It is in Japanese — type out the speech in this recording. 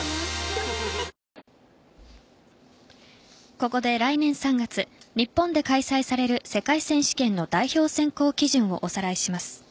ここで来年３月日本で開催される世界選手権の代表選考基準をおさらいします。